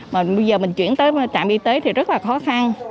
mà bây giờ mình chuyển tới trạm y tế thì rất là khó khăn